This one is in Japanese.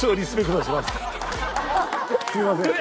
すみません。